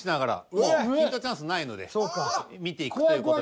もうヒントチャンスないので見ていくという事で。